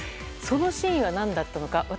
そのシーンは何だったのか。